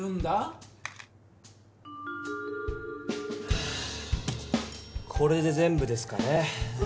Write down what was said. はぁこれで全部ですかね。